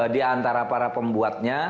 di antara para pembuatnya